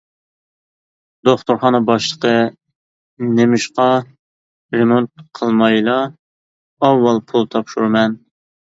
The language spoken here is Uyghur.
دوختۇرخانا باشلىقى: نېمىشقا رېمونت قىلمايلا ئاۋۋال پۇل تاپشۇرىمەن.